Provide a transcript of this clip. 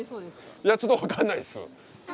いやちょっと分かんないっす。